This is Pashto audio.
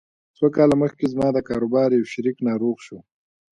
څو کاله مخکې زما د کاروبار يو شريک ناروغ شو.